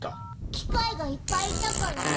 機械がいっぱいいたから？